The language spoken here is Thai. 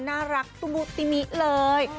น่ารักตุมุติมิเลย